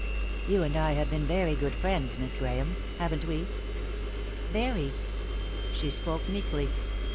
" You and I have been good friends, Miss Grahame, haven't we ?" "Very." She spoke meekly.